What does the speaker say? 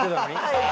はい。